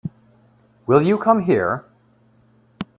Will you come here?